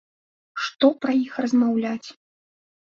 Што пра іх размаўляць?